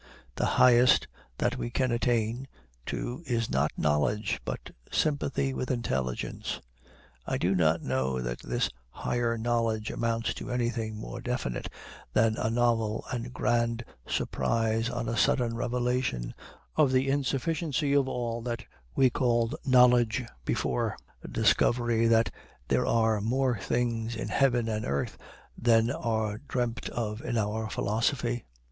The highest that we can attain to is not Knowledge, but Sympathy with Intelligence. I do not know that this higher knowledge amounts to anything more definite than a novel and grand surprise on a sudden revelation of the insufficiency of all that we called Knowledge before, a discovery that there are more things in heaven and earth than are dreamed of in our philosophy.